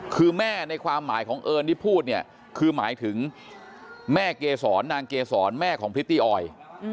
คือแม่ในความหมายของเอิญที่พูดเนี่ยคือหมายถึงแม่เกศรนางเกษรแม่ของพริตตี้ออย